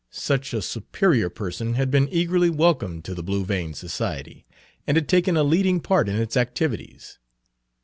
Such a superior person had been eagerly welcomed to the Blue Vein Society, and had taken a leading part in its activities.